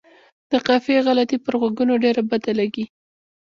د قافیې غلطي پر غوږونو ډېره بده لګي.